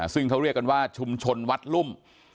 ซึ่งเขาเรียกกันว่าชุมชนวัดรุ่ม